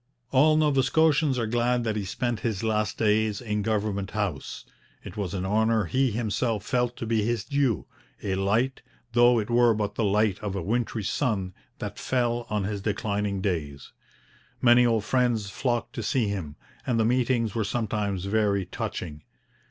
All Nova Scotians are glad that he spent his last days in Government House. It was an honour he himself felt to be his due a light, though it were but the light of a wintry sun, that fell on his declining days. Many old friends flocked to see him; and the meetings were sometimes very touching.